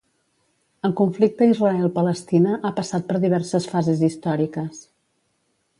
El conflicte Israel-Palestina ha passat per diverses fases històriques.